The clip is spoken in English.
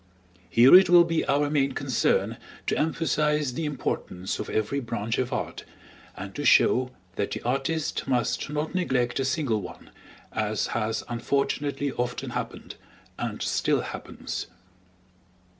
Here it will be our main concern to emphasize the importance of every branch of Art, and to show that the artist must not neglect a single one, as has unfortunately often happened, and still happens.